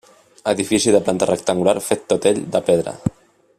Edifici de planta rectangular fet tot ell de pedra.